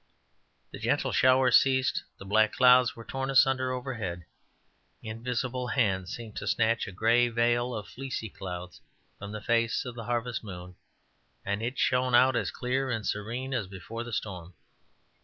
The gentle shower ceased, the black clouds were torn asunder overhead; invisible hands seemed to snatch a gray veil of fleecy clouds from the face of the harvest moon, and it shone out as clear and serene as before the storm.